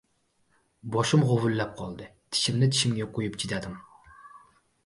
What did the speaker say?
Boshim g‘uvillab qoldi. Tishimni tishimga qo‘yib chidadim.